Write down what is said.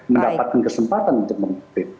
mendapatkan kesempatan untuk memimpin